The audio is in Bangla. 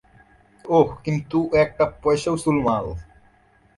ওহ, কিন্তু ও একটা পয়সা উসুল মাল।